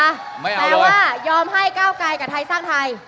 แปลว่ายอมให้ก้าวไกลกับไทยสร้างไทย